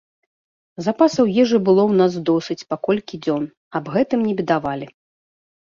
Запасаў ежы было ў нас досыць па колькі дзён, аб гэтым не бедавалі.